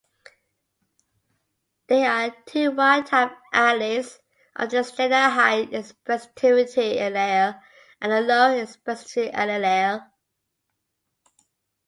There are two wild-type alleles of this gene-a high-expressivity allele and a low-expressivity allele.